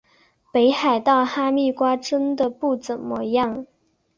北海道哈密瓜真的不怎么样